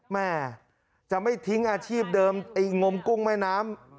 แม่จะไม่ทิ้งอาชีพเดิมไอ้งมกุ้งแม่น้ำ